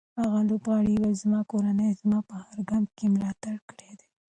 هغه لوبغاړی وویل چې زما کورنۍ زما په هر ګام کې ملاتړ کړی دی.